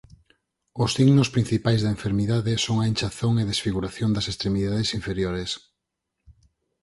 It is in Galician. Os signos principais da enfermidade son a inchazón e desfiguración das extremidades inferiores.